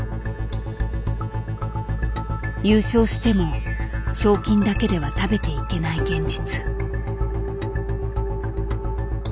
優勝しても賞金だけでは食べていけない現実。